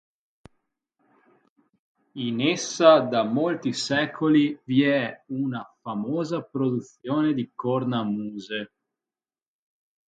In essa da molti secoli vi è una famosa produzione di cornamuse.